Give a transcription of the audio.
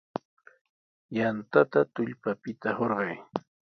Yantata tullpapita hurqay.